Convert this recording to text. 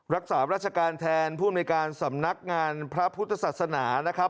รักษาราชการแทนผู้อำนวยการสำนักงานพระพุทธศาสนานะครับ